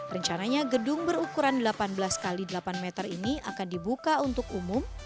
rencananya gedung berukuran delapan belas x delapan meter ini akan dibuka untuk umum